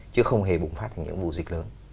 chứ không hề bùng phát thành những vụ dịch lớn